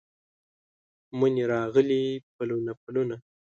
مني راغلي پلونه، پلونه